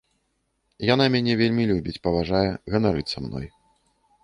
Яна мяне вельмі любіць, паважае, ганарыцца мной.